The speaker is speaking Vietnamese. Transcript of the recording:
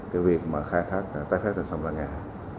cái việc mà khai thác tái phép trên sông lan ngạc